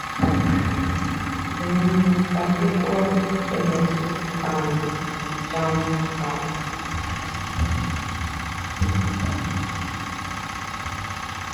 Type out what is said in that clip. Then Mr. Pappleworth finished and jumped up.